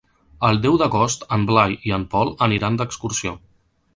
El deu d'agost en Blai i en Pol aniran d'excursió.